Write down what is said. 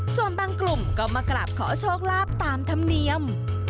ส่วนบางกลุ่มก็มากราบขอโชคลาภตามธรรมเนียม